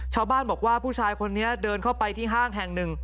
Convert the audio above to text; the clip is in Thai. ชาวบ้านบอกว่าผู้ชายคนนี้เดินเข้าไปที่ห้างแห่งหนึ่ง